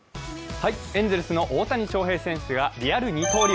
エンゼルスの大谷翔平選手がリアル二刀流。